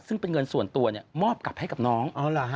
ซึ่งเป็นเงินส่วนตัวมอบกลับให้กับน้อง